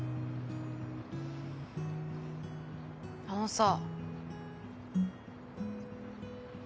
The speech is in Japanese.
あのさ。